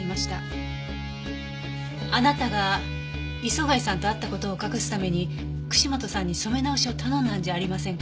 あなたが磯貝さんと会った事を隠すために串本さんに染め直しを頼んだんじゃありませんか？